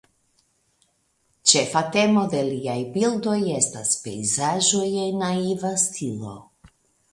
Ĉefa temo de liaj bildoj estas pejzaĝoj en naiva stilo.